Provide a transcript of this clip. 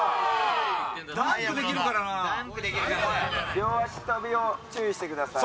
両足跳びを注意してください。